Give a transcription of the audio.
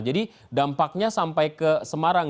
jadi dampaknya sampai ke semarang